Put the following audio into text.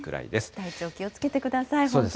体調気をつけてください、本当に。